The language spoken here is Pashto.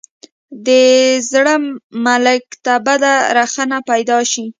د زړه ملک ته بده رخنه پیدا شي.